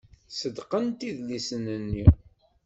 Ṣeddqent idlisen-nni.